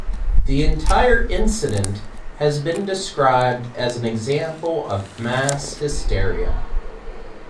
The entire incident has been described as an example of mass hysteria.